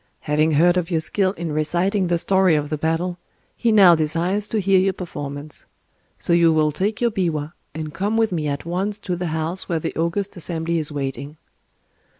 Having heard of your skill in reciting the story of the battle, he now desires to hear your performance: so you will take your biwa and come with me at once to the house where the august assembly is waiting."